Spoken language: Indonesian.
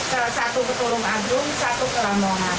ke satu ke tulung agung satu ke lamongan